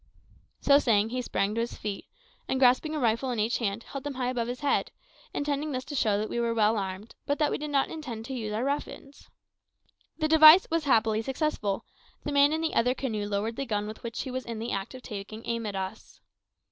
So saying, he sprang to his feet, and grasping a rifle in each hand, held them high above his head, intending thus to show that we were well armed, but that we did not intend to use our weapons. The device was happily successful: the man in the other canoe lowered the gun with which he was in the act of taking aim at us.